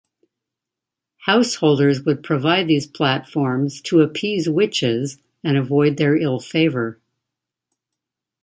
Householders would provide these platforms to appease witches and avoid their ill favour.